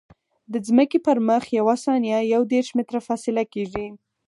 د ځمکې پر مخ یوه ثانیه یو دېرش متره فاصله کیږي